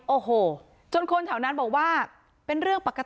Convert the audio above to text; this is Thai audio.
โอ้โห